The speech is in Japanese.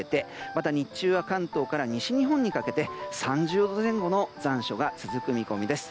また、日中は関東から西日本にかけて３０度前後の残暑が続く見込みです。